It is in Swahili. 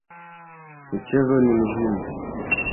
Michezo ni muhimu